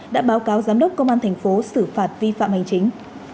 đã báo cáo giám đốc công an tp xử phạt vi phạm hành chính